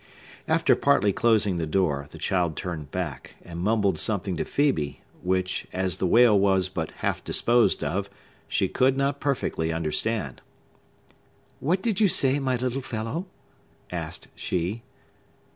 After partly closing the door, the child turned back, and mumbled something to Phœbe, which, as the whale was but half disposed of, she could not perfectly understand. "What did you say, my little fellow?" asked she.